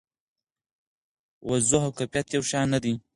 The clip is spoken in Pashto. وضوح او کیفیت یو شان نه دي.